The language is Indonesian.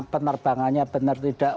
penerbangannya benar tidak